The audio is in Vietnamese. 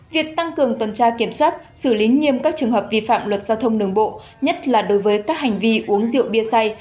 việc tăng cường tuần tra kiểm soát xử lý nghiêm các trường hợp vi phạm luật giao thông đường bộ nhất là đối với các hành vi uống rượu bia xay